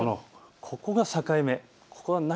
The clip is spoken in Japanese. ここが境目。